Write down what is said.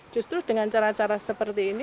justru dengan cara cara seperti ini